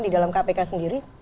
di dalam kpk sendiri